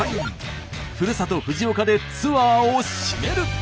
ふるさと藤岡でツアーをしめる。